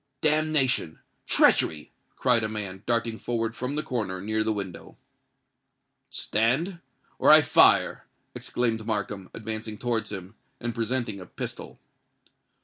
"Damnation!—treachery!" cried a man, darting forward from the corner near the window. "Stand—or I fire!" exclaimed Markham, advancing towards him, and presenting a pistol.